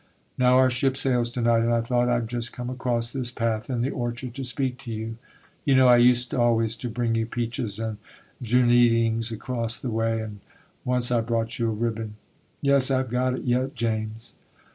Now our ship sails to night, and I thought I'd just come across this path in the orchard to speak to you. You know I used always to bring you peaches and juneatings across this way, and once I brought you a ribbon.' 'Yes, I've got it yet, James.